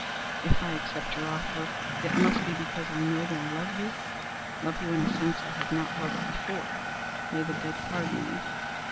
If I accept your offer, it must be because I know that I love you love you in a sense I have not loved before may the dead pardon me!